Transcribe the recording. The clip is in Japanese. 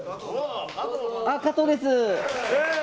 加藤です！